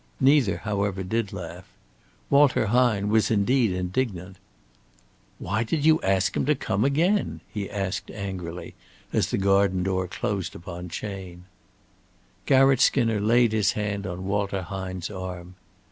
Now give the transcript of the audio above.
Neither, however, did laugh. Walter Hine was, indeed, indignant. "Why did you ask him to come again?" he asked, angrily, as the garden door closed upon Chayne. Garratt Skinner laid his hand on Walter Hine's arm.